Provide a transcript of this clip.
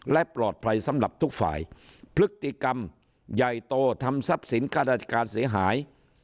และปลอดภัยสำหรับทุกฝ่ายพฤติกรรมใหญ่โตทำทรัพย์สินค่าราชการเสียหาย